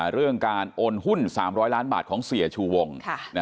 เรื่องการโอนหุ้น๓๐๐ล้านบาทของเสียชูวง